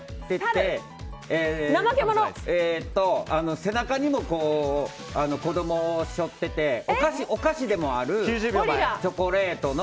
背中にも子供を背負っててお菓子でもあるチョコレート！